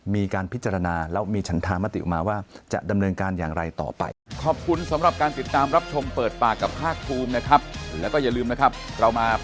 มีการพิจารณาแล้วมีฉันทางมาติออกมาว่า